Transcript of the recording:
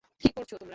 কী করছ তোমরা?